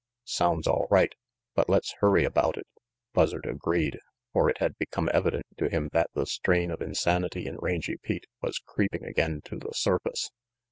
"Sounds all right, but let's hurry about it," Buzzard agreed, for it had become evident to him that the strain of insanity in Rangy Pete was creeping again to the surface.